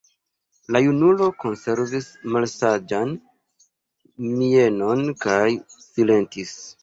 La junulo konservis malsaĝan mienon kaj silentis.